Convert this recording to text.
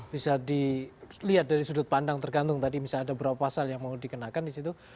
bisa dilihat dari sudut pandang tergantung tadi misalnya ada berapa pasal yang mau dikenakan di situ